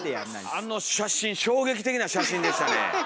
あの写真衝撃的な写真でしたね。